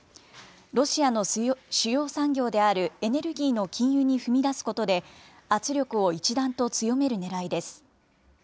ロシアの主要産業であるエネルギーの禁輸に踏み出すことで、圧力を一段と強めるねらいです。